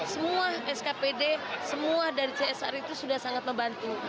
semua skpd semua dari csr itu sudah sangat membantu